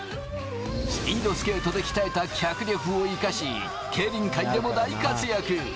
スピードスケートで鍛えた脚力を生かし、競輪界でも大活躍。